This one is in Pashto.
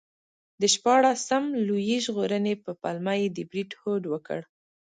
د شپاړسم لویي ژغورنې په پلمه یې د برید هوډ وکړ.